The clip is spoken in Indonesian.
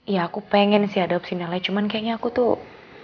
ya aku pengen sih ada opsinya lain cuman kayaknya aku tuh